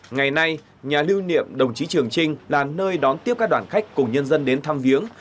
ngày nay nhà lưu niệm đồng chí trường trinh là nơi đón tiếp các đoàn khách cùng nhân dân đến thăm viếng